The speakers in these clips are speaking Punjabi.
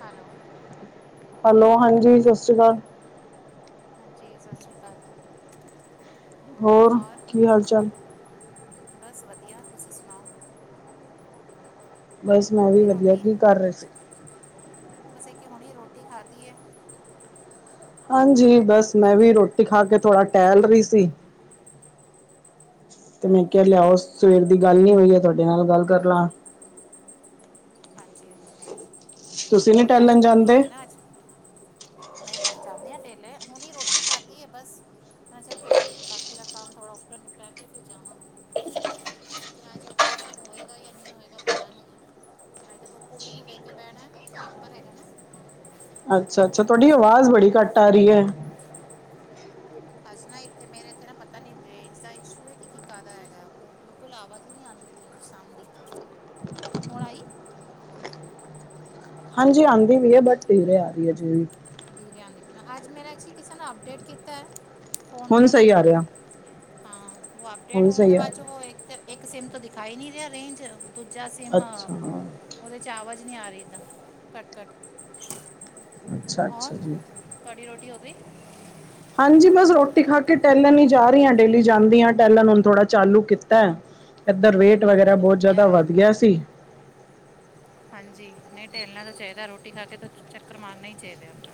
ਹੈਲੋ। ਹੈਲੋ ਹਾਂਜੀ ਸਸਰੀ ਕਾਲ। ਹਾਂਜੀ ਸਸਰੀ ਕਾਲ ਜੀ। ਹੋਰ ਔਰ ਕੀ ਹਾਲ ਚਾਲ? ਬਸ ਵਧੀਆ ਤੁਸੀਂ ਸੁਣਾਓ? ਬਸ ਮੈਂ ਵੀ ਵਧੀਆ ਕੀ ਕਰ ਰੇ ਸੀ? ਅਸਾ ਕੀ ਹੁਣੀ ਰੋਟੀ ਖਾਧੀ ਐ। ਹਾਂਜੀ ਬਸ ਮੈਂ ਵੀ ਰੋਟੀ ਖਾ ਕੇ ਥੋੜ ਟੈਲ ਰਈ ਸੀ। ਤੇ ਮੈਂ ਕੇਆ ਅੱਛਾ ਲੇਆਓ ਸਵੇਰ ਦੀ ਗੱਲ ਨੀ ਹੋਈ ਐ ਧੁਡੇ ਨਾਲ ਗੱਲ ਕਰ ਲਾਂ। ਹਾਂਜੀ-ਹਾਂਜੀ ਨਈ ਤੁਸੀਂ ਨੀ ਟੈਲਣ ਜਾਂਦੇ? ਮੈਂ ਜਾਂਨੀ ਆਂ ਪੇਲੇ ਹੁਣੀ ਰੋਟੀ ਖਾਦੀ ਏ ਬਸ ਮ ਚਲ ਬਾਕੀ ਦਾ ਕੰਮ ਥੋੜਾ ਉੱਪਰ ਨਿਪਟਾ ਕੇ ਫ ਜਾਵਾਂ ਹੁਣ ਲੇਕਿਨ ਅੱਜ ਓ ਦੇਖਦਾ ਹੋਏਗਾ ਜਾਂ ਨਈ ਹੋਏਗਾ ਪਤਾ ਨੀ। ਆ ਤਾਂ ਕੋ ਕੁੜੀ ਨੂੰ ਲੈ ਕੇ ਬੈਣਾ, ਪੇਪਰ ਹੈਗਾ ਨਾ। ਅੱਛਾ ਛਾ ਤੁਆਡੀ ਆਵਾਜ਼ ਬੜੀ ਘੱਟ ਆ ਰਈ ਐ। ਅੱਜ ਨਾ ਏਥੇ ਮੇਰੇ ਤੇ ਨਾ ਏਥੇ ਨਾ ਪਤਾ ਨੀ ਰੇਜ ਇਸ਼ੂ ਏ ਕੀ ਕਾਦਾ ਹੈਗਾ ਐ। ਘੁਲਾਵਾ ਦੀ ਨੀ ਆਦੀ ਪਈ ਹੈ ਸ਼ਾਮ ਦੀ, ਹੁਣ ਆਈ? ਹਾਂਜੀ ਆਦੀ ਪਈ ਐ ਬਟ ਧੀਰੇ ਆ ਰਈ ਜੀਵੇ। ਦੀਰੇ ਆਦੀ ਪੀ ਣਾ ਅੱਜ ਮੇਰਾ ਐਕਚਲੀ ਕੀਸੇ ਨੇ ਅਪਡੇਟ ਕੀਤਾ ਐ। ਹੁਣ ਸਈ ਆ ਰੇਆ। ਹਾਂ ਓ ਅਪਡੇਟ ਹੋਣ ਦੇ ਆ ਬਾ ਰਿਹਾ। ਚ ਓ ਇੱਕ ਸੇਮ ਤੋਂ ਦਿਖਾ ਈ ਨੀ ਰੇ ਰੇਂਜ ਦੂਜਾ ਸਿਮ, ਅੱਛਾ ਓਦੇ ਚ ਆਵਾਜ਼ ਨਹਈ ਆ ਰਈ ਦਾਂ ਕੱਟ-ਕੱਟ ਅੱਛਾ ਔਰ, ਅੱਛਾ ਜੀ ਤਵਾਡੀ ਰੋਟੀ ਹੋ ਗਈ? ਹਾਂਜੀ, ਬਸ ਰੋਟੀ ਖਾਕੇ ਟੈਲਣ ਹੀ ਜਾ ਰਹੀ ਆਂ, ਡੇਲੀ ਜਾਂਦੀ ਆ ਟੈਲਣ, ਹੁਣ ਥੋੜ੍ਹਾ ਚਾਲੂ ਕੀਤਾ। ਏਧਰ ਨਹੀਂ ਵੇਟ ਨਹੀਂ ਉਹ ਵਗੈਰਾ, ਤਾਂ ਬਹੁਤ ਵਧੀਆ ਜਿਆਦਾ ਹੈ ਵੱਧ ਗਿਆ ਸੀ। ਹਾਂਜੀ, ਨਹੀਂ ਟੈਲਣਾ ਤਾਂ ਚਾਹੀਦਾ, ਰੋਟੀ ਖਾਕੇ ਤਾ ਚੱਕਰ ਮਾਰਨਾ ਹੀ ਚਾਹੀਦਾ ਅਪਨਾ।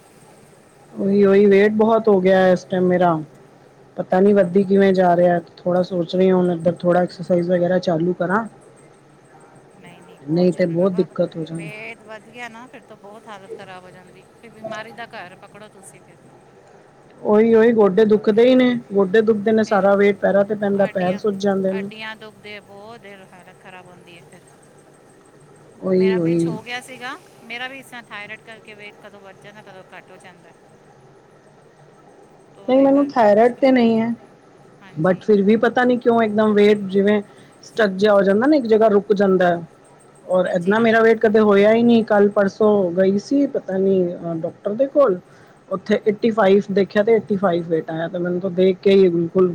ਓਹੀ-ਓਹੀ ਵੇਟ ਬਹੁਤ ਹੋਗਿਆ ਇਸ ਟਾਈਮ ਮੇਰਾ, ਪਤਾ ਨੀ ਵੱਧੀ ਹਾਂਜੀ ਕਿਵੇਂ ਜਾ ਰਿਹਾ। ਥੋੜਾ ਸੋਚ ਰਹੀਂ ਆਂ, ਹੁਣ ਇੱਧਰ ਥੋੜਾ ਐਕਰਸਾਈਜ਼ ਵਗੈਰਾ ਚਾਲੂ ਕਰਾਂ। ਨਹੀਂ-ਨਹੀਂ, ਬਹੁਤ ਨਹੀਂ ਤੇ ਜ਼ਰੂਰੀ ਬਬਾ ਦਿੱਕਤ ਹੋ ਜਾਣੀ ਵੇਟ ਵੱਧ ਗਿਆ ਨਾ, ਫਿਰ ਤਾਂ ਬਹੁਤ ਹਾਲਤ ਖ਼ਰਾਬ ਹੋ ਜਾਂਦੀ, ਫਿਰ ਬਿਮਾਰੀ ਦਾ ਘਰ ਪਕੜੋ ਤੁਸੀਂ ਫਿਰ, ਤੋਂ। ਓਈ-ਉਈ ਗੋਡੇ ਦੁਖਦੇ ਹੀ ਨੇ, ਗੋਡੇ ਦੁਖਦੇ ਨੇ ਫਿਰ ਸਾਰਾ ਵੇਟ ਪੈਰਾਂ ਤੇ ਪੈਂਦਾ, ਪੈਰ ਅੱਡੀਆਂ ਸੁੱਜ ਜਾਂਦੇ ਨੇ। ਅੱਡੀਆਂ ਦੁਖਦੇ ਆ, ਬਹੁਤ ਦਿਲ ਹਾਲਤ ਖਰਾਬ ਹੁੰਦੀ ਹੈ ਫਿਰ। ਉਹੀ ਮੇਰਾ ਉਹੀ ਵਿਚ ਹੋਗਿਆ ਸੀਗਾ, ਮੇਰਾ ਵੀ ਇਸ ਤਰ੍ਹਾਂ ਥਾਇਰਾਇਡ ਕਰਕੇ ਵੇਟ ਕਦੋਂ ਵੱਧ ਜਾਂਦਾ, ਕਦੋਂ ਘੱਟ ਹੋ ਜਾਂਦਾ। ਤਾਂ ਨਹੀਂ ਉਹਦੇ ਮੈਨੂੰ ਕਰਕੇ ਥਾਇਰੋਇਡ ਮੁਸ਼ਕਿਲ ਤੇ ਨਹੀਂ ਹੈ, ਹੁੰਦੀ ਹਾਂਜੀ ਬਟ ਫਿਰ ਵੀ ਪਤਾ ਨਹੀਂ ਕਿਉਂ ਇੱਕਦਮ ਵੇਟ ਜਿਵੇਂ, ਸਟਕ ਜਾ ਹੋ ਜਾਂਦਾ ਨਾ, ਇੱਕ ਜਗ੍ਹਾ ਰੁਕ ਜਾਂਦੈ। ਔਰ ਹਾਂਜੀ ਏੰਨਾ ਹਾਂ ਮੇਰਾ ਵੇਟ ਬਰਾਬਰ ਕਦੇ ਹੋਇਆ ਹੀ ਨਹੀਂ, ਕੱਲ-ਪਰਸੋ ਤੋਂ ਗਈ ਸੀ, ਪਤਾ ਨੀ ਡਾਕਟਰ ਦੇ ਕੋਲ ਉੱਥੇ ਏਟੀ-ਫਾਈਵ ਦੇਖਿਆ ਤੇ ਏਟੀ-ਫਾਈਵ ਵੇਟ ਆਇਆ, ਤਾ ਮੈਨੂੰ ਦੇਖਕੇ ਹੀ ਬਿਲਕਲ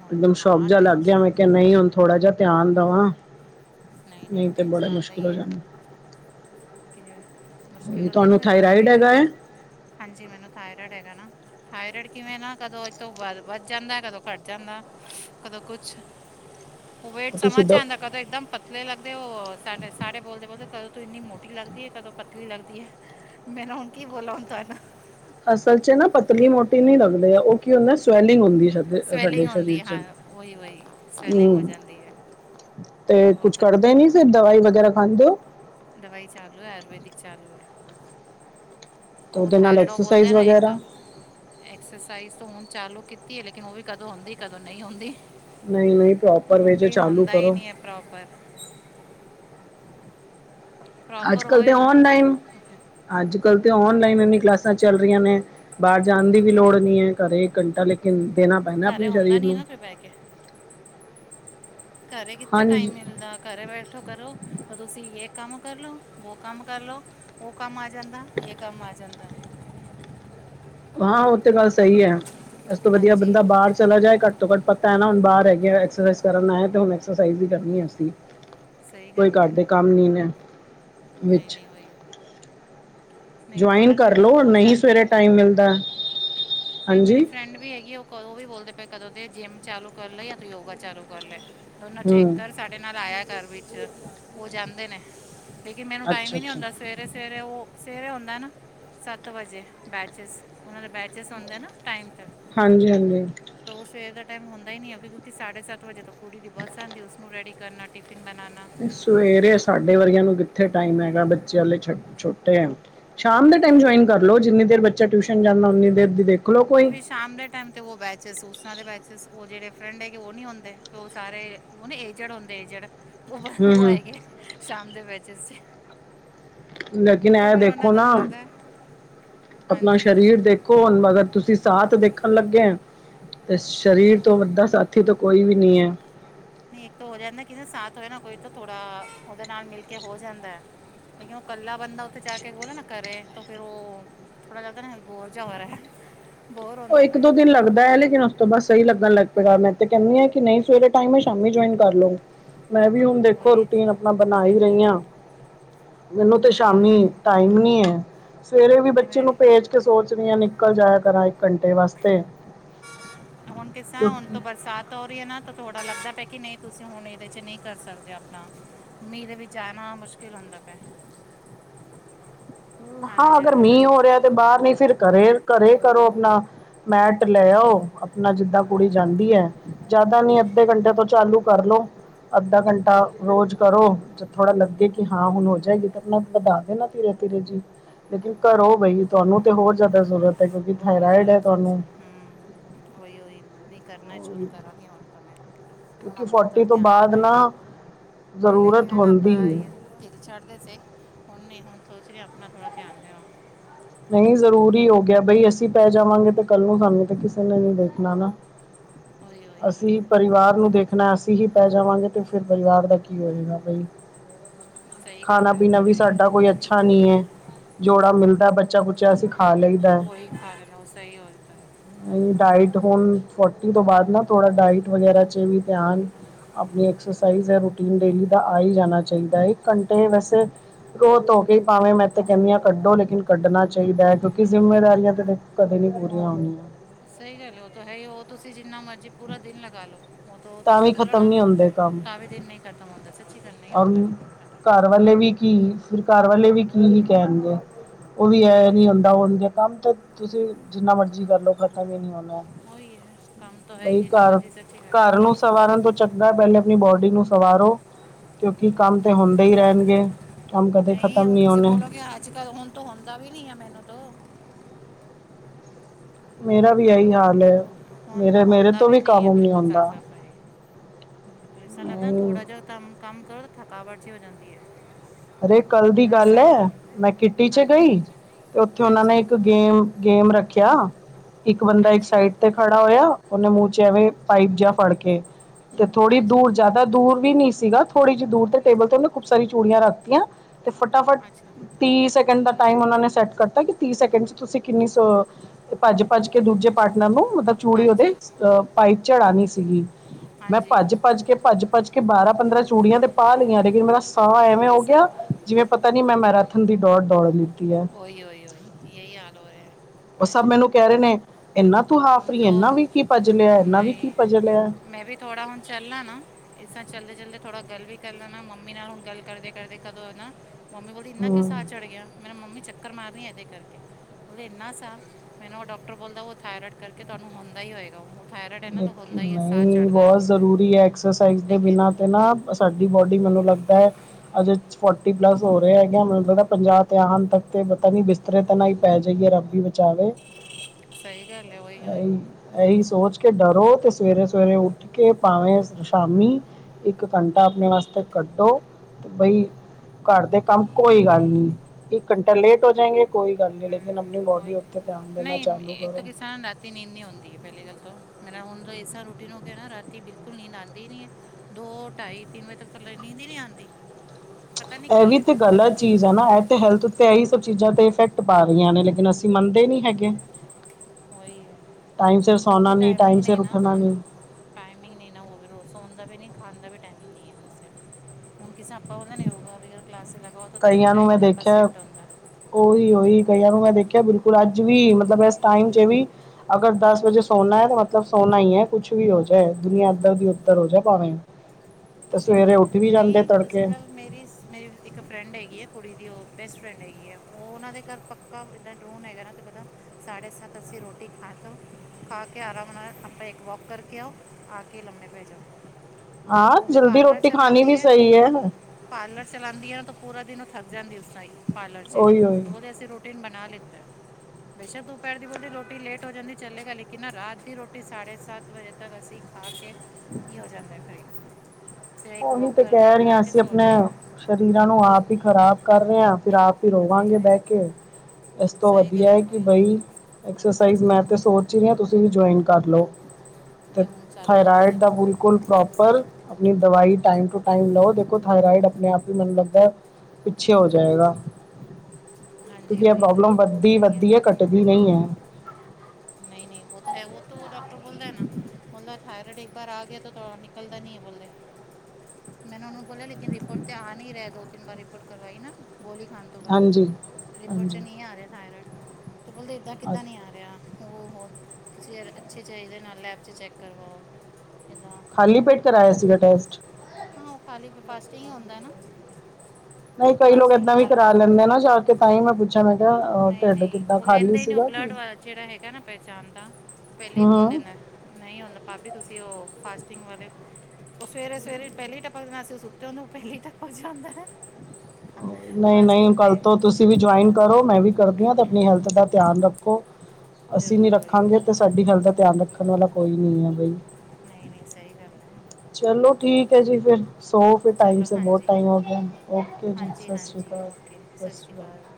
ਹੋ- ਇਕਦਮ ਸ਼ੋਕ ਹਾਂ ਜਾ ਲੱਗ ਗਿਆ, ਟੈਨਸ਼ਨ ਮੈਂ ਕਿਹਾ, ਨਹੀਂ ਹੁਣ ਥੋੜ੍ਹਾ ਜਿਹਾ ਧਿਆਨ ਦਵਾਂ। ਨਹੀਂ-ਨਹੀਂ, ਟੈਂਨਸ਼ਨ ਆਂਦਾ ਈ ਏ। ਕੇ, ਵੀ ਮੁਸ਼ਕਿਲ ਹੁੰਦੀਆਂ ਨਾ ਤੁਹਾਨੂੰ ਫਿਰ ਤਾਂ ਥਾਇਰਾਇਡ ਵੇਟ ਹੈਗਾ ਹੈ ਹਾਂਜੀ, ਮੈਨੂੰ ਥਾਇਰੋਇਡ ਹੈਗਾ ਨਾ, ਥਾਇਰੋਇਡ ਕਿਵੇਂ ਨਾ ਕਦੋਂ ਇਹ ਤੋਂ ਬਾਦ ਵੱਧ ਜਾਂਦਾ, ਕਦੋਂ ਘੱਟ ਜਾਂਦਾ, ਕਦੋਂ ਕੁਛ, ਉਹ ਵੇਟ ਤੁਸੀਂ ਸਮਝ'ਚ ਦ ਆਂਦਾ। ਕਦੋਂ ਇਕਦਮ ਪਤਲੇ ਲੱਗਦੇ ਐ, ਸਾਰੇ-ਸਾਰੇ ਬੋਲਦੇ-ਬੋਲਦੇ ਕਦੋ ਤੂੰ ਇੰਨੀ ਮੋਟੀ ਲੱਗਦੀ ਏ, ਕਦੋਂ ਪਤਲੀ ਲੱਗਦੀ ਐ, ਮੈ ਨਾ ਹੁਣ ਕੀ ਬੋਲਾ ਹੁਨ ਤੁੂਹਾਡੇ ਨਾਲ। ਅਸਲ'ਚ ਨਾ ਪਤਲੀ-ਮੋਟੀ ਨੀ ਲੱਗਦੇ, ਉਹ ਕੀ ਹੁੰਦਾ ਸਵੈਲਿੰਗ ਹੁੰਦੀ। ਸਾਡੇ ਸਵੈਲਿੰਗ ਸਾਡੇ ਹੁੰਦੀ ਸਰੀਰ ਏ, 'ਚ ਹਾਂ, ਵੋਈ-ਵੋਹੀ ਸਵੈਲਿੰਗ ਹੋ ਹਮ ਜਾਂਦੀ ਏ। ਤੇ ਕੁੱਝ ਕਰਦੇ ਨੀ, ਫਿਰ ਦਵਾਈ ਵਗੈਰਾ ਖਾਂਦੇ ਓ? ਦਵਾਈ ਚਾਲੂ ਐ, ਆਯੁਰਵੈਦਿਕ ਚਾਲੂ ਐ। ਤੇ ਉਹ ਉਹਦੇ ਨਾਲ ਥਾਇਰਇਡ ਉਹ ਬੋਲਦੇ ਐਕਸਰਸਾਈਜ਼ ਨਾ, ਇੱਕ ਵਗੈਰਾ ਐਕਸਰਸਾਈਜ਼ ਤੋ ਹੁਣ ਚਾਲੂ ਕੀਤੀ ਏ, ਲੇਕਿਨ ਉਹ ਵੀ ਕਦੋਂ ਹੁੰਦੀ, ਕਦੋਂ ਨਹੀਂ ਹੁੰਦੀ। ਨਹੀਂ-ਨਹੀਂ ਪ੍ਰੋਪਰ ਵੇ'ਚ ਰੂਟੀਨ ਚਾਲੂ ਹੁੰਦਾ ਹੀ ਕਰੋ। ਨਹੀਂ ਹੈ ਪ੍ਰੋਪਰ। ਪ੍ਰੋਪਰ ਅੱਜ-ਕੱਲ ਤੇ ਹੋਏ ਨਾ ਔਨਲਾਈਨ ਅੱਜ-ਕੱਲ ਤੇ ਔਨਲਾਈਨ ਇੰਨੀ ਕਲਾਸਾਂ ਚੱਲ ਰਹੀਆਂ ਨੇ, ਬਾਹਰ ਜਾਣ ਦੀ ਵੀ ਲੋੜ ਨਹੀਂ ਏ, ਘਰੇ ਇੱਕ ਘੰਟਾ ਲਿਖ ਕਿਨ ਦੇਣਾ ਪੈਣਾ, ਅਪਣੇ ਸ਼ਰੀਰ ਨੂੰ। ਬਹਿਕੇ, ਘਰੇ ਕਿੱਥੇ ਹਾਂਜੀ ਟਾਈਮ ਮਿਲਦਾ, ਘਰੇ ਬੈਠੋ ਕਰੋ ਤੁਸੀਂ ਯੇ ਕੰਮ ਕਰਲੋ, ਵੋ ਕੰਮ ਕਰਲੋ ਉਹ ਕੰਮ ਆ ਜਾਂਦਾ, ਯੇ ਕੰਮ ਆ ਜਾਂਦਾ। ਹਾਂ, ਉਹ ਤੇ ਗੱਲ ਸਹੀ ਐ, ਇਸ ਤੋਂ ਵਧੀਆ ਹਾਂਜੀ ਬੰਦਾ ਬਾਹਰ ਚਲਾ ਜਾਏ ਘੱਟ ਤੋਂ ਘੱਟ ਪਤਾ ਐ ਨਾ, ਹੁਣ ਬਾਹਰ ਹੈਗੇ ਆ, ਐਕਸਰਸਾਈਜ਼ ਕਰਨ ਆਏ, ਤਾਂ ਹੁਣ ਐਕਸਰਸਾਈਜ਼ ਹੀ ਕਰਨੀ ਆ ਇਸਦੀ। ਸਹੀ ਕੋਈ ਘਰਦੇ ਕੰਮ ਨਹੀਂ ਨੇ। ਵਿੱਚ ਨਹੀਂ-ਨਹੀਂ, ਓਈ। ਜੁਆਇਨ ਤਾਂ ਕਰਲੋ, ਹੋ ਨਹੀਂ ਜਾਂਦਾ ਸਵੇਰੇ ਹੈਗਾ ਟਾਈਮ ਮਿਲਦਾ। ਨਹੀਂ ਉਹ ਮੇਰੀ ਹਾਂਜੀ ਫਰੈਂਡ ਵੀ ਹੈਗੀ ਆ, ਉਹ ਕੋਂ ਵੀ ਬੋਲਦੇ ਪਏ ਕਦੋਂ ਦੇ, ਜਿੰਮ ਚਾਲੂ ਕਰਲੋ, ਯਾਂ ਤਾ ਯੋਗਾ ਚਾਲੂ ਕਰਲੈ। ਦੋਨਾ'ਚੋ ਇਕ ਹੂੰ ਕਰ ਸਾਡੇ ਨਾਲ ਆਇਆ ਕਰ ਵਿੱਚ, ਓ ਜਾਂਦੇ ਨੇ। ਲੇਕਿਨ, ਮੈਨੂੰ ਟਾਇਮ ਅੱਛਾ ਹੀ ਨਹੀਂ ਅੱਛਾ ਹੁੰਦਾ। ਸਵੇਰੇ-ਸਵੇਰੇ ਉਹ, ਸਵੇਰੇ ਹੁੰਦਾ ਨਾ ਸੱਤ ਵਜੇ ਬੈਚੇਸ ਉਹਨਾਂ ਦੇ ਬੈਚੇਸ ਸੌਂਦੇ ਨਾ ਟਾਈਮ ਤੇ। ਹਾਂਜੀ-ਹਾਂਜੀ। ਤਾਂ ਉਹ ਸਵੇਰ ਦਾ ਟੈਮ ਹੁੰਦਾ ਹੀ ਨੀ ਹੈ ਫਿਰ ਕਿਉਂਕਿ ਸਾਢੇ ਸੱਤ ਵਜੇ ਤੋਂ ਕੁੜੀ ਦੀ ਬੱਸ ਆਂਦੀ ਉਸਨੂੰ ਰੈਡੀ ਕਰਨਾ ਟਿਫਿਨ ਬਨਾਨਾ। ਸਵੇਰੇ ਸਾਡੇ ਵਰਗਿਆਂ ਨੂੰ ਕਿੱਥੇ ਟਾਈਮ ਹੈਗਾ ਬੱਚਿਆ ਲਈ ਛੋਟੇ ਹੈ। ਸ਼ਾਮ ਦੇ ਕਿਉਂਕਿ ਟਾਈਮ ਜੁਆਇਨ ਕਰ ਲਓ ਜਿੰਨੀ ਦੇਰ ਬੱਚਾ ਟਿਊਸ਼ਨ ਜਾਂਦਾ ਓਨੀ ਦੇਰ ਦੀ ਦੇਖ ਲਓ ਕੋਈ ਫਿਰ ਸ਼ਾਮ ਦੇ ਟਾਈਮ 'ਤੇ ਉਹ ਬੈਚਿਸ ਉਸ ਤਰ੍ਹਾਂ ਦੇ ਬੈਚਿਸ ਉਹ ਜਹੜੇ ਫਰੈਂਡ ਹੈਗੇ ਉਹ ਨੀ ਹੁੰਦੇ ਉਹ ਸਾਰੇ- ਉਹਨ ਏਜੜ ਹੁੰਦੇ ਏਜੜ, ਉਹ ਹੂੰ ਉਹ ਹੂੰ ਹੈਗੇ ਸ਼ਾਮ ਦੇ ਵੈਚਸ ਚ। ਲੇਕਿਨ ਤਾਂ ਇਹ ਫਿਰ ਉਹਨਾਂ ਦੇਖੋ ਦੇ ਨਾ, ਨਾਲ ਲੱਗਦਾ ਹੈ। ਆਪਣਾ ਹਾਂਜੀ ਸ਼ਰੀਰ ਦੇਖ ਉਹ ਹੁਣ ਮਗਰ ਤੁਸੀਂ ਸਾਥ ਦੇਖਣ ਲੱਗੇ। ਤੇ ਸਰੀਰ ਤੋਂ ਵੱਡਾ ਸਾਥੀ ਤੋਂ ਕੋਈ ਵੀ ਨੀ ਏ। ਨਹੀਂ ਇੱਕ ਤਾਂ ਹੋ ਜਾਂਦਾ ਕਿ ਨਾ ਸਾਥ ਹੋਏ ਨਾ ਕੋਈ ਤਾਂ ਥੋੜਾ ਉਹਦੇ ਨਾਲ ਮਿਲ ਕੇ ਹੋ ਜਾਂਦਾ। ਲੇਕਿਨ ਉਹ ਕੱਲਾ ਬੰਦਾ ਉੱਥੇ ਜਾ ਕੇ ਬੋਲ ਨਾ ਕਰੇ ਤਾਂ ਫੇਰ ਉਹ ਥੋੜਾ ਜਾ ਤਾਂ ਨ ਬੋਰ ਜਾ ਹੋ ਰਹੈ। ਉਹ ਇੱਕ-ਦੋ ਦਿਨ ਲੱਗਦਾ ਹੈ ਲੇਕਿਨ- ਬਸ ਸਹੀ ਲੱਗਣ ਲੱਗ ਪਏਗਾ ਮੈਂ ਤੇ ਕਹਿੰਨੀ ਹਾਂ ਕਿ ਨਹੀਂ ਸਵੇਰੇ ਟਾਈਮ ਆ ਸ਼ਾਮੀ ਜੁਆਇਨ ਕਰ ਲਓ। ਮੈਂ ਵੀ ਹੁਣ ਦੇਖੋ ਉਹੀ ਰੂਟੀਨ ਆਪਣਾ ਬਣਾ ਚੱਲ ਹੀ ਰਹੀ ਹਾਂ, ਰਿਹਾ। ਮੈਨੂੰ ਤੇ ਉਹੀ ਉਹੀ ਉਹੀ ਸ਼ਾਮੀ ਟਾਈਮ ਨੀ ਐ, ਸਵੇਰੇ ਵੀ ਨਹੀਂ ਬੱਚੇ ਮੈਂ ਨੂੰ ਭੇਜ ਕੇ ਸੋਚ ਰਹੀ ਆ ਨਿਕਲ ਜਾਇਆ ਕਰਾਂ। ਘੰਟੇ ਵਾਸਤੇ। ਹੁਣ ਕੈਸਾ ਹੁਣ ਕਿਉਂਕਿ ਤੋਂ ਬਰਸਾਤ- ਤੋਰੀਏ ਨਾ ਤਾਂ ਥੋੜਾ ਲੱਗਦਾ ਪਿਆ ਕਿ ਨਹੀਂ ਤੁਸੀਂ ਹੁਣ ਇਹਦੇ 'ਚ ਨਹੀਂ ਕਰ ਸਕਦੇ ਆਪਣਾ। ਮੀਂਹ ਦੇ ਵਿੱਚ ਆਣਾ ਮੁਸ਼ਕਿਲ ਹੁੰਦਾ ਪਿਆ। ਆਣਾ ਹਾਂ ਅਗਰ ਜਾਣਾ ਮੀਂਹ ਹੋ ਕਰਨਾ ਰਿਹਾ ਤੇ ਬਾਹਰ ਨੀ ਫਿਰ ਘਰੇ ਘਰੇ ਕਰੋ ਆਪਣਾ ਮੈਟ ਲੈ ਆਓ, ਆਪਣਾ ਜਿੱਦਾਂ ਕੁੜੀ ਜਾਂਦੀ ਐ ਜਿਆਦਾ ਨੀ ਅੱਧੇ ਘੰਟੇ ਤੋਂ ਚਾਲੂ ਕਰਲੋ। ਅੱਧਾ ਘੰਟਾ ਰੋਜ਼ ਕਰੋ, ਜੇਬਥੋੜਾ ਲੱਗੇ ਕਿ ਹਾਂ ਹੁਣ ਹੋ ਜਾਏਗੀ ਤਾਂ ਆਪਣਾ ਵਧ ਦੇਣਾ। ਧੀਰ ਧੀਰ ਜੀ। ਲੇਕਿਨ ਘਰੋਂ ਬਈ ਤੁਹਾਨੂੰ ਤੇ ਹੋਰ ਜ਼ਿਆਦਾ ਜ਼ਰੂਰਤ ਹੈ ਕਿਉਂਕਿ ਬਹੁਤ ਥਾਇਰਾਇਡ ਹੈ ਜ਼ਿਆਦਾ ਸੱਚੀ ਤੁਹਾਨੂੰ। ਹੂੰ ਉਹੀ-ਉਹੀ ਮੈਂ ਕਰਨਾ- ਸ਼ੁਰੂ ਕਰਾਂਗੀ ਹੁਣ ਤਾਂ ਮੈਂ, ਹੁਣ ਕਿਉਂਕਿ ਆਪਣੀ ਤਰਫ ਤੋਂ ਧਿਆਨ ਬਾਅਦ ਦੇਣਾ ਹੈਗਾ। ਨਾ ਪਹਿਲੇ ਜ਼ਰੂਰਤ ਕਿਵੇਂ ਨਾ ਹੁੰਦੀ ਹੈ ਆਪਾਂ ਤਿਲ ਛੱਡਦੇ ਸੀ, ਹੁਣ ਨਹੀਂ ਹੁਣ ਸੋਚ ਰਹੇ ਆ ਆਪਣਾ ਥੋੜ੍ਹਾ ਧਿਆਨ ਦੇਵਾਂ। ਨਹੀਂ ਜ਼ਰੂਰੀ ਹੋ ਗਿਆ ਬਈ ਅਸੀਂ ਪੈ ਜਾਵਾਂਗੇ ਤੇ ਕੱਲ ਨੂੰ ਸਾਨੂੰ ਤੇ ਕਿਸੇ ਨੇ ਨਹੀਂ ਦੇਖ ਨਾ ਗਾ। ਉਹੀ ਉਹੀ ਉਹੀ ਅਸੀਂ ਪਰਿਵਾਰ ਨੂੰ ਦੇਖ ਨਾ ਅਸੀਂ ਹੀ ਪੈ ਜਾਵਾਂਗੇ ਤੇ ਫਿਰ ਪਰਿਵਾਰ ਦਾ ਕੀ ਹੋ ਜਾਏਗਾ ਬਈ। ਸਹੀ ਕਰ ਲਿਆ ਉਹ ਖਾਣਾ-ਪੀਣਾ ਤਾਂ ਵੀ ਹੈ ਹੀ ਸਾਡਾ ਹੈ। ਕੋਈ ਅੱਛਾ ਨਹੀਂ ਏ, ਜੋੜਾ ਮਿਲਦਾ ਬ- ਬਚਿਆ-ਖੁਚਿਆ ਅਸੀਂ ਖਾ ਲਈਦਾ। ਉਹੀ ਖਾ ਲੈਣਾ ਉਹ ਸਹੀ ਹੋਈ ਤਾਂ ਹੈ। ਡਾਇਟ ਹੁਣ ਫੋਟੀ ਤੋਂ ਬਾਅਦ ਨਾ ਥੋੜਾ ਡਾਇਟ ਵਗੈਰਾ 'ਚ ਵੀ ਧਿਆਨ ਆਪਣੀ ਐਕਸਰਸਾਈਜ਼ ਏ ਰੂਟੀਨ ਡੇਲੀ ਦਾ ਆ ਹੀ ਜਾਣਾ ਚਾਹੀਦਾ ਇੱਕ ਘੰਟੇ ਵੈਸੇ ਰੋ ਧੋ ਕੇ ਹੀ ਭਾਵੇਂ ਮੈਂ ਤੇ ਕਹਿੰਨੀ ਆ ਕੱਢੋ ਲੇਕਿਨ ਕੱਢਣਾ ਚਾਹੀਦਾ ਹੈ ਕਿਉਂਕਿ ਜਿੰਮੇਦਾਰੀਆਂ ਤੇ ਦੇਖੋ ਕਦੇ ਨੀ ਪੂਰੀਆਂ ਹੋਣੀਆਂ। ਸਹੀ ਗੱਲ ਹੈ ਉਹ ਤਾਂ ਹੈ ਉਹ ਤੁਸੀਂ ਜਿੰਨਾ ਮਰਜ਼ੀ ਪੂਰਾ ਦਿਨ ਲਗਾ ਲਓ। ਉਹ ਤੋਂ ਤਾਂ ਤੁਸੀਂ ਵੀ ਬੋਲੋ ਖਤਮ ਨਾ, ਨਹੀਂ ਹੁੰਦੇ ਕੰਮ ਤਾ ਵੀ ਦਿਨ ਨਹੀਂ ਖਤਮ ਹੁੰਦਾ ਸੱਚੀ ਗੱਲ ਨਹੀਂ ਔਰ ਹੁੰਦਾ ਖਤਮ। ਘਰ ਵਾਲੇ ਵੀ ਕੀ ਫਿਰ ਘਰ ਵਾਲੇ ਵੀ ਕੀ ਹੀ ਕਹਿਣਗੇ, ਉਹ ਵੀ ਐ ਉਹੀ ਨੀ ਹੈ ਆਉਂਦਾ ਹੋਣ ਕੰਮ ਤੇ ਤੁਸੀਂ ਜਿੰਨਾ ਮਰਜ਼ ਕਰਲੋ ਖਤਮ ਹੀ ਨੀ ਹੁੰਦਾ ਉਹੀ ਹੈ ਕੰਮ ਤਾਂ ਹੈ ਹੀ ਬਈ ਜਿੰਨਾ ਘਰ ਮਰਜ਼ੀ ਸੱਚੀ ਗੱਲ ਘਰ ਹੈ ਨੂੰ ਸਵਾਰਨ ਤੋਂ ਚੱਗਾ ਏ ਪਹਿਲੇ ਆਪਣੀ ਬੋਡੀ ਨੂੰ ਸਵਾਰੋ। ਕਿਉਂਕਿ ਕੰਮ ਤੇ ਹੁੰਦੇ ਹੀ ਰਹਿਣਗੇ। ਕੰਮ ਕਦੇ ਨਹੀਂ ਖਤਮ ਹਨ ਤੁਸੀਂ ਹੋਣੇ ਬੋਲੋਗੇ ਅੱਜ ਕੱਲ ਹੁਣ ਤ ਹੁੰਦਾ ਵੀ ਨੀ ਆ ਮੈਨੂੰ ਤ ਮੇਰਾ ਵੀ ਹੈਲੋ ਇਹੀ ਹਾਲ ਹੈ ਹੁਣ ਤਾਂ ਮੇਰੇ ਹੁਣ ਮੇਰੇ ਦਾ ਤੋਂ ਵੀ ਨਹੀਂ ਹੈ ਕੰਮ ਬਿਲਕੁਲ ਸਾਫ਼ ਹੁੰਦਾ ਸਫ਼ਾਈ। ਬਿਲਕੁਲ ਇਸ ਤਰ੍ਹਾਂ ਲੱਗਦਾ ਮੈਂ ਥੋੜ੍ਹਾ ਜਿਹਾ ਕੰਮ ਕੰਮ ਕਰੋ ਥਕਾਵਟ ਜਿਹੀ ਹੋ ਜਾਂਦੀ ਹੈ। ਅਰੇ ਕੱਲ ਦੀ ਇਹਦਾ ਗੱਲ ਸਾਹ ਹੈ ਮੈਂ ਕਿਟੀ ਚ ਹਾਂਜੀ ਗਈ ਤੇ ਉੱਥੇ ਉਹਨਾਂ ਨੇ ਹਾਂਜੀ ਇੱਕ ਗੇਮ ਗੇਮ ਰੱਖਿਆ ਇੱਕ ਬੰਦਾ ਇੱਕ ਹਾਂਜੀ ਸਾਈਡ ਤੇ ਖੜਾ ਹੋਇਆ ਉਹਨੇ ਮੂੰਹ ਚ ਐਵੇਂ ਪਾਈਪ ਜਿ ਫੜ ਕੇ ਤੇ ਥੋੜੀ ਹਾਂਜੀ ਦੂਰ ਜ਼ਿਆਦਾ। ਦੂਰ ਵੀ ਨੀ ਸੀਗਾ ਥੋੜ੍ਹੀ ਜਿਹੀ ਦੂਰ ਤੇ ਟੇਬਲ ਤੋਂ ਉਹ ਖੁਬ ਸਾਰੀ ਚੂੜੀਆਂ ਰੱਖਤੀਆਂ ਤੇ ਫਟਾਫਟ ਅੱਛਾ ਤੀਹ ਸੈਕਿੰਡ ਦਾ ਟਾਈਮ ਉਹਨਾਂ ਨੇ ਸੈੱਟ ਕਰਤਾ ਕਿ ਤੀਹ ਸੈਕਿੰਡ ਚ ਤੁਸੀਂ ਕਿੰਨੀ ਸ ਭੱਜ ਭੱਜ ਕੇ ਦੂਜੇ ਪਾਰਟਨਰ ਨੂੰ ਮਤਲਬ ਚੂੜੀ ਉਹਦੇ ਹਾਂਜੀ ਅ ਪਾਈਪ ਚੜਾਉਣੀ ਸੀਗੀ। ਮੈਂ ਹਾਂਜੀ ਭੱਜ ਭੱਜ ਕੇ ਭੱਜ ਭੱਜ ਕੇ ਬਾਰਾਂ ਪੰਦਰਾਂ ਚੂੜੀਆਂ ਤੇ ਪਾ ਲਈਆਂ ਲੇਕਿਨ ਮੇਰਾ ਸਾਹ ਐਵੇਂ ਹੋ ਗਿਆ ਸਾਹ ਜਿਵੇਂ ਪਤਾ ਨੀ ਮੈਂ ਮੈਰਾਥਨ ਦੀ ਦੌੜ ਦੌੜ ਲ ਓਹੀ ਹੀ ਓਹੀ ਇਹੀ ਹਾਲ ਹੋ ਰਿਹਾ ਹੈ ਉਹ ਆ ਸਭ ਜਾ ਮੈਨੂੰ ਕਹਿ ਰਹੇ ਨੇ ਇਹਨਾ ਤੂੰ ਹਾਫ਼ਰੀਹੀ ਇਹਨਾ ਵੀ ਕੀ ਭੱਜ ਲਿਆ ਇਹਨਾ ਵੀ ਕੀ ਭੱਜ ਲਿਆ। ਥੋੜ੍ਹਾ ਹੁਣ ਚੱਲ ਲ ਨਾ ਇਸ ਤਰ੍ਹਾਂ ਚੱਲਦੇ ਚੱਲਦੇ ਥੋੜ੍ਹਾ ਗੱਲ ਵੀ ਕਰ ਲੈ ਨਾ ਮੰਮੀ ਨਾਲ ਹੁਣ ਗੱਲ ਕਰਦੇ ਕਰਦੇ ਕਦੋਂ ਹੈ ਨਾ। ਮੰਮੀ ਬੋਲੀ ਇੰਨਾ ਕਿਉਂ ਹਮ, ਸਾ ਚੜ੍ਹ ਗਿਆ ਮੇ ਮੰਮੀ ਚੱਕਰ ਮਾਰਨੀ ਆ ਇਹਦੇ ਕਰਕੇ। ਉਹ ਇੰਨਾ ਸਾਂ ਮੈਨੂੰ ਉਹ ਡਾਕਟਰ ਬੋਲਦਾ ਉਹ ਥਾਇਰੋਇਡ ਕਰਕੇ ਤੁਹਾਨੂੰ ਹੁੰਦਾ ਹੀ ਹੋਏਗਾ ਉਹ। ਥਾਇਰਾਇਡ ਹੈ ਨਾ ਤਾਂ ਹੁੰਦਾ ਲੇਕਿਨ ਹੀ ਹੈ ਸਾਹ ਨਹੀਂ ਚੜਦਾ ਹੈ ਬਹੁਤ ਬੋਲਦਾ ਜ਼ਰੂਰੀ ਹੈ ਐਕਸਰਸਾਈਜ਼ ਦੇ ਲੇਕਿਨ ਬਿਨਾਂ ਤੇ ਨਾ ਬਸ ਸਾਡੀ ਬੋਡੀ ਮੈਨੂੰ ਲੱਗਦਾ ਹੈ ਅਜੇ ਫੋਰਟੀ ਪਲੱਸ ਹੋ ਰਿਹਾ ਹੈ ਮਤਲਬ ਪੰਜਾ ਤੇ ਆਣ ਤੱਕ ਤੇ ਪਤਾ ਨੀ। ਰੇ ਤ ਨਾ ਹੀ ਪੈ ਜਾਈਏ ਰੱਬ ਹੀ ਬਚਾਵੇ ਸਹੀ ਗੱਲ ਹੈ ਉਹੀ ਉਹੀ ਇਹੀ ਇਹੀ ਸੋਚ ਕੇ ਡਰੋ ਤੇ ਸਵੇਰੇ ਸਵੇਰੇ ਉੱਠ ਕੇ ਭਾਵੇਂ ਸ਼ਾਮੀ ਇੱਕ ਘੰਟਾ ਆਪਣੇ ਵਾਸਤੇ ਕੱਢੋ ਤੇ ਬਈ ਘਰਦੇ ਕੰਮ ਕੋਈ ਗੱਲ ਨੀ ਇੱਕ ਘੰਟਾ ਲੇਟ ਹੋ ਜਾਏਗੇ ਕੋਈ ਗੱਲ ਨਹੀਂ ਲੇਕਿਨ ਆਪਣੀ ਬੋਡੀ ਉੱਥਤੇ ਧਿਆਨ ਦੇਣਾ ਚਾਲੂ ਕਰੋ। ਰਾਤੀ ਨੀਂਦ ਨੀ ਆਉਦੀ ਪਹਿਲੀ ਗੱਲ ਤੋਂ ਮੈਂ ਹੁਣ ਇਸ ਤ ਰੋਟੀ ਨੂੰ ਨਾ ਰਾਤਿ ਬਿਲਕੁ ਨੀਂਦ ਆਉਂਦੀ ਹੀ ਨੀ ਹੈ। ਦੋ ਢਾਈ ਤਿੰਨ ਵਜੇ ਤੱਕ ਇਕੱਲ ਨੀਂਦ ਹੀ ਨੀ ਆਉਂਦੀ। ਇਹ ਵੀ ਤੇ ਗੱਲਤ ਅ ਚੀਜ਼ ਹੈ ਨਾ ਇਹ ਹੈਲਥ ਤੇ ਇਹੀ ਸਭ ਚੀਜ਼ਾਂ ਤੇ ਇਫੈਕਟ ਪਾ ਰਹੀਆਂ ਨੇ ਲੇਕਿਨ ਅਸੀਂ ਮੰਨਦੇ ਨੀ ਹੈਗੇ। ਉਹੀ ਹੈ ਟਾਈਮ ਸਿਰ ਉਹ ਸੌਣਾ ਵੀ ਨਹੀਂ ਟਾਈਮ ਟਾਈਮਿੰਗ ਨੇ ਸਿਰ ਨਾ ਉੱਠਣਾ ਹਾ ਨਾ ਨਹੀਂ ਟਾਈਮਿੰਗ ਨਹੀਂ ਨਾ ਉਹ ਵੀ ਰੋਜ਼ ਸੌਣ ਦਾ ਵੀ ਨਹੀਂ ਖਾਣ ਦਾ ਵੀ ਟਾਈਮਿੰਗ ਨਹੀਂ ਹੈ ਹੁਣ ਸੈਟ ਹੁਣ ਕਿਸੇ ਆਪਾਂ ਓਨਾ ਨੇ ਰੋਬੋਵਰ ਕਲਾਸ ਲਗਵਾ ਕੇ ਤੋਂ ਟਮਿੰਗਾਂ ਅਪਾ ਸੈੱਟ ਹੁੰਦਾ। ਉਓਹੀ ਉਓਹੀ ਕਈਆ ਨੂੰ ਮੈਂ ਦੇਖਿਆ ਬਿਲਕੁਲ ਅੱਜ ਵੀ ਮਤਲਬ ਇਸ ਟਾਈਮ ਚ ਵੀ ਅਗਰ ਦਸ ਵਜੇ ਸੋਨਾ ਹੈ ਤਾਂ ਮਤਲਬ ਸੋਣਾ ਹੀ ਹੈ ਕੁਛ ਵੀ ਹੋ ਜਾਏ ਦੁਨੀਆਂ ਉੱਧਰ ਦੀ ਉੱਧਰ ਹੋ ਜਾਏ ਭਾਵੇਂ। [inaudible] ਤੁਸੀਂ ਉਹੀ ਉੱਠ ਵੀ ਜਾਂਦੇ ਨਹੀਂ ਤੁਸੀਂ ਤੜਕੇ ਗੱਲ ਮੇਰੀ ਮੇਰੀ ਇੱਕ ਫਰੈਂਡ ਹੈਗੀ ਹੈ ਕੁੜੀ ਦੀ ਉਹ ਬੈਸਟ ਫਰੈਂਡ ਹੈਗੀ ਹੈ ਉਹ ਉਹਨਾਂ ਦੇ ਘਰ ਪੱਕਾ ਇੱਦਾਂ ਡਰੋਨ ਹੈਗਾ ਨਾ ਤਾਂ ਪਤਾ ਸਾਢੇ ਸੱਤ ਅਸੀਂ ਰੋਟੀ ਖਾ ਤੋਂਉ ਖਾ ਕੇ ਆਰਾਮ ਨਾਲ ਆਪਾਂ ਇੱਕ ਵੋਕ ਕਰਕੇ ਆਓ ਆ ਕੇ ਲੰਮੇ ਪੇ ਜਾਓ। ਹਾਂ ਉਹ ਵੀ ਜਲਦੀ ਪਾਰਲਰ ਰੋਟੀ ਖੀ ਚਲਾਉਂਦੀ ਵੀ ਸਹੀ ਹੈ। ਪਾਰਲਰ ਚਲਾਉਂਦੀ ਨਾ ਤਾਂ ਪੂਰਾ ਦਿਨ ਉਹ ਥੱਕ ਜਾਂਦੀ ਉਸ ਹੀ ਪਾਰਲਰ ਚ ਉਹੀ ਉਹੀ ਉਹਦੇ ਅਸੀਂ ਰੋ ਨ ਬਣਾ ਲਿਆ ਏ ਬੇਸ਼ੱਕ ਦੁਪਹਿਰ ਦੀ ਬੋਲਦੀ ਰੋਟੀ ਲੇਟ ਹੋ ਜਾਂਦੀ ਚੱਲੇਗਾ ਲੇਕਿਨ ਨਾ ਰਾਤ ਦੀ ਰੋਟੀ ਸਾਢੇ ਸੱਤ ਪਰ ਐਸਾ ਲੱਸੀ ਖਾ ਕੇ ਕੀ ਹੋ ਜਾਂਦੇ ਹਾਂ ਫਿਰ ਸਿਰ ਇੱਕ ਉਹੀ ਵਾਕ ਤੇ ਕਰਕੇ ਕਹਿ ਰਹੀ ਆਪਣਾ ਆ ਹਾਂ ਕੇ ਅਸੀਂ ਸੋ ਆਪਣੇ ਜਾਂਦੇ ਹਾਂ ਸਰੀਰਾਂ ਨੂੰ ਆਪ ਹੀ ਖ਼ਰਾਬ ਕਰ ਰਹੇ ਹਾਂ ਫਿਰ ਆਪ ਹੀ ਉਹੀ ਰੋਵਾਂਗੇ ਉਹੀ ਬਹਿ ਕੇ ਇਸ ਤੋਂ ਸਹੀ ਵਧੀਆ ਗੱਲ ਹੈ ਕਿ ਉਹੀ ਬਈ ਐਕਸਰਸਾਈਜ਼ ਮੈਂ ਤੇ ਸੋਚ ਹੀ ਰਹੀ ਹਾਂ ਤੁਸੀਂ ਵੀ ਜੁਆਇਨ ਕਰ ਲਓ ਨਹੀਂ ਹੁਣ ਚਾਲੂ ਕਰਾਂਗੇ ਥਾਇਰਾਇਡ ਦਾ ਹੁਣ ਤੋਂ ਬਿਲਕੁਲ ਪਰੋਪਰ ਆਪਣੀ ਦਵਾਈ ਟਾਈਮ ਟੂ ਟਾਈਮ ਲਓ ਦੇਖੋ ਥਾਇਰਾਇਡ ਆਪਣੇ ਆਪ ਹੀ ਮਨੂੰ ਲੱਗਾ ਪਿੱਛੇ ਹੋ ਜਾਏਗਾ ਹਾਂਜੀ ਕਿਉਂਕਿ ਇਹ ਉਹੀ ਉਹੀ ਪ੍ਰੋਬਲਮ ਵੱਧਦੀ ਸਹੀ ਵੱਧਦੀ ਹੈ ਘੱਟਦੀ ਨਹੀਂ ਹੈ। ਨਹੀਂ ਨਹੀਂ ਉਹ ਤਾਂ ਹੈ ਉਹ ਤੋਂ ਡਾਕਟਰ ਬੋਲਦਾ ਹੈ ਨਾ ਬੋਲਾ ਥਾਇਰੋਇਡ ਇੱਕ ਬਾਰ ਆ ਗਿਆ [unintelligible] ਨਿਕਲਦਾ ਨਹੀਂ ਹੈ ਬੋਲਦੇ ਮੈਨੂੰ ਉਹਨਾਂ ਬੋਲ ਲੇਕਿਨ ਰਿਪੋਰਟ ਤੇ ਆ ਨ ਰਿਹਾ ਦੋ ਤਿੰਨ ਵਾਰ ਰਿਪੋਰਟ ਕਰਵਾਈ ਨਾ ਗੋਲੀ ਖਾ ਤੋਂ ਬਾਅਦ ਹਾਂਜੀ ਰਿਪੋਰਟ 'ਚ ਹਾਂਜੀ ਨਹੀਂ ਆ ਰਿਹਾ ਥਾਇਰੋਇਡ ਤ ਬੋਲਦੇ ਇੱਦਾਂ ਕਿੱਦਾਂ ਨਹੀਂ ਅ- ਆ ਰਿਹਾ ਉਹ ਹੁਣ ਤੁਸੀਂ ਅੱਛੇ ਚਾਹੀਦਾ ਨਾਲ ਅੱਛੇ 'ਚ ਚੈੱਕ ਕਰਵਾਓ ਇੱਦਾਂ ਖਾਲੀ ਪੇਟ ਮੈਂ ਕਰਵਾਇਆ ਨਾ ਸੀਗਾ ਟੈਸਟ ਹਾਂ ਉਹ ਖਾਲੀੇ ਫਾਸਟ ਹੀ ਆਉਂਦਾ ਹੈ ਨਾ ਨਹੀਂ ਕਈ ਲੋਕ ਫਾਸਟਿੰਗ ਏਦਾਂ ਹੀ ਵੀ ਕਰਾ ਕਰਵਾਉਂਦੇ ਲੈਂਦੇ ਨਾ ਜਾ ਕੇ ਤਾਂ ਹੀ ਮੈਂ ਮੈਂ ਕਿਹਾ ਅ, ਨਹੀਂ ਢਿੱਡ ਨਹੀਂ ਕਿੱਦਾਂ ਉਹ ਖਾਲੀ ਲੈਂਦੇ ਨਹੀਂ ਉਹ ਸੀਗਾ ਕਿ ਬਲੱਡ ਜਿਹੜਾ ਹੈਗਾ ਨਾ ਪਚਾਣ ਦਾ ਉਹ ਪਹਿਲੇ ਹੀ ਬੋਲ ਹੂੰ ਦਿੰਦਾ ਨਹੀਂ ਹੁਣ ਭਾਬੀ ਤੁਸੀਂ ਉਹ ਫਾਸਟਿੰਗ ਵਾਲੇ ਉਹ ਸਵੇਰੇ ਸਵੇਰੇ ਪਹਿਲੀ ਟਪਕ ਜਾਂ ਸੀ ਉਹ ਸੁੱਤੇ ਉਨੂੰ ਪਹਿਲੀ ਟਪਕ ਜਾਂਦੇ ਨੇ। ਨਹੀਂ ਨਹੀਂ ਕੱਲ ਤੋਂ ਤੁਸੀਂ ਵੀ ਜੁਆਇਨ ਕਰੋ ਮੈਂ ਵੀ ਕਰਦੀ ਹਾਂ ਤੇ ਆਪਣੀ ਹੈਲਥ ਦਾ ਧਿਆਨ ਰੱਖੋ ਅਸੀਂ ਨੀ ਜ਼ਰੂਰ ਹੋਈ ਰੱਖਾਂਗੇ ਤੇ ਸਾਡੀ ਗੱਲ ਦਾ ਧਿਆਨ ਰੱਖਣ ਵਾਲਾ ਕੋਈ ਨਹੀਂ ਹੈ ਬਈ ਨਹੀਂ ਨਹੀਂ ਸਹੀ ਗੱਲ ਹੈ। ਸੋ ਫਿਰ ਟਾਈਮ ਚਲੋ ਸਿਰ ਬਹੁਤ ਹਾਂਜੀ ਟਾਈਮ ਹੋ ਗਿਆ ਹੋ ਹਾਂਜੀ ਹਾਂਜੀ ਓਕੇ ਸਤਿ ਸ਼੍ਰੀ ਅਕਾਲ